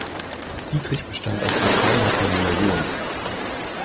Dietrich bestand auf der Freilassung Müller-Johns.